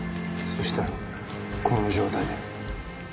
そしたらこの状態で